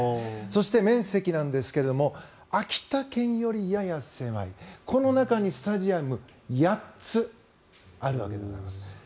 それと面積なんですが秋田県よりやや狭いこの中にスタジアムが８つあるわけでございます。